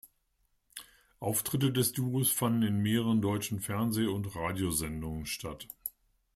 Auftritte des Duos fanden in mehreren deutschen Fernseh- und Radiosendungen statt.